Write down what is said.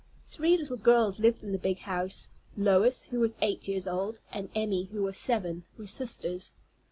Three little girls lived in the big house. Lois, who was eight years old, and Emmy, who was seven, were sisters.